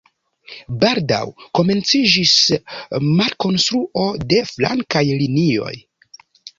Baldaŭ komenciĝis malkonstruo de flankaj linioj.